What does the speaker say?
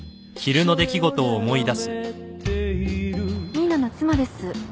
新名の妻です。